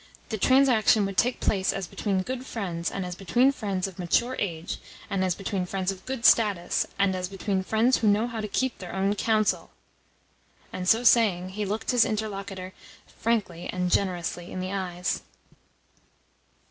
"The transaction would take place as between good friends, and as between friends of mature age, and as between friends of good status, and as between friends who know how to keep their own counsel." And, so saying, he looked his interlocutor frankly and generously in the eyes.